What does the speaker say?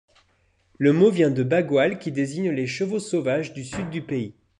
Le mot vient de Bagual, qui désigne les chevaux sauvages du sud du pays.